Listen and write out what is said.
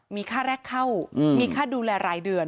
มีค่าแรกเข้ามีค่าดูแลรายเดือน